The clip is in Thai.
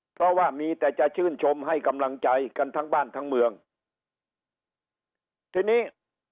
เพราะว่ามีแต่จะชื่นชมให้กำลังใจกันทั้งบ้านทั้งเมืองทีนี้